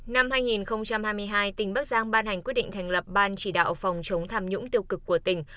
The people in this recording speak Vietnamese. năm hai nghìn hai mươi hai tỉnh bắc giang ban hành quyết định thành lập ban chỉ đạo phòng chống tham nhũng tiêu cực của tỉnh